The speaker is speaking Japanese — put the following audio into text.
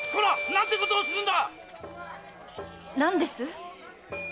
何てことをするんだ‼何です？